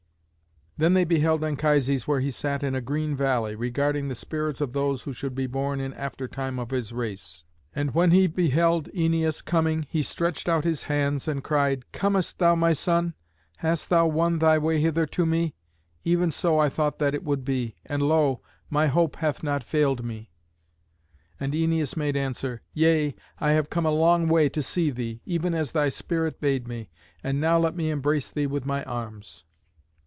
Then they beheld Anchises where he sat in a green valley, regarding the spirits of those who should be born in after time of his race. And when he beheld Æneas coming, he stretched out his hands and cried, "Comest thou, my son? Hast thou won thy way hither to me? Even so I thought that it would be, and lo! my hope hath not failed me." And Æneas made answer, "Yea, I have come a long way to see thee, even as thy spirit bade me. And now let me embrace thee with my arms."